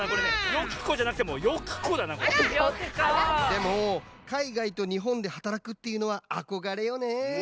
でもかいがいとにほんではたらくっていうのはあこがれよね。